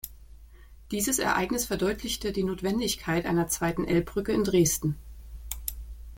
Dieses Ereignis verdeutlichte die Notwendigkeit einer zweiten Elbbrücke in Dresden.